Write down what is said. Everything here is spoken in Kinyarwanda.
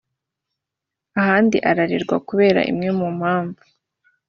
ahandi arererwa kubera imwe mu mpamvu